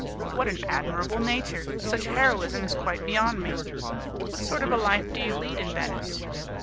"What an admirable nature! Such heroism is quite beyond me!" "What sort of a life do you lead in Venice?"